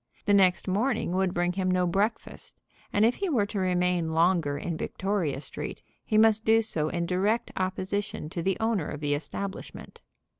The next morning would bring him no breakfast, and if he were to remain longer in Victoria Street he must do so in direct opposition to the owner of the establishment.